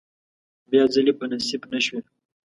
بیا ځلې په نصیب نشوې.